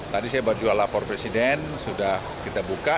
tadi saya baru jual lapor presiden sudah kita buka